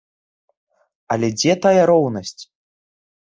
Але дзе тая роўнасць?